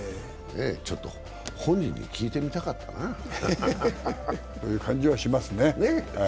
本人に聞いてみたかったな。という感じはしますね。